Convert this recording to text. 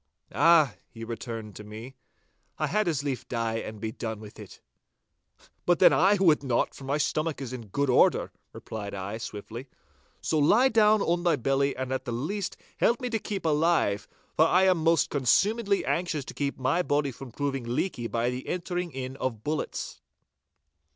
'Ah,' he returned to me, 'I had as lief die and be done with it.' 'But then I would not, for my stomach is in good order,' replied I, swiftly, 'so lie down on thy belly and at the least help me to keep alive, for I am most consumedly anxious to keep my body from proving leaky by the entering in of bullets.